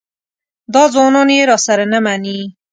دا ځوانان یې راسره نه مني.